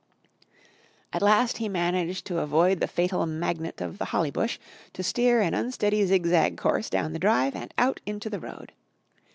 At last he managed to avoid the fatal magnet of the holly bush, to steer an unsteady ziz zag course down the drive and out into the road.